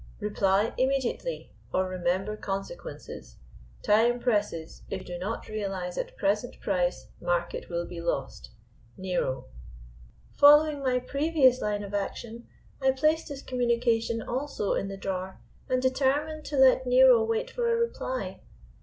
Reply immediately, or remember consequences. Time presses, if do not realize at present price, market will be lost. NERO. "Following my previous line of action, I placed this communication also in the drawer, and determined to let Nero wait for a reply.